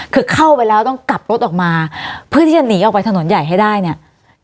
คือเข้าไปแล้วต้องกลับรถออกมาเพื่อที่จะหนีออกไปถนนใหญ่ให้ได้เนี่ย